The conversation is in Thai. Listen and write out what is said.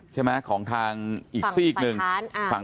ใช่ไหมของทางอีกซีกหนึ่ง